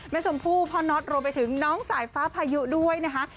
ชมพู่พ่อน็อตรวมไปถึงน้องสายฟ้าพายุด้วยนะคะ